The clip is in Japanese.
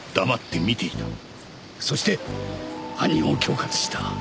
そして犯人を恐喝した。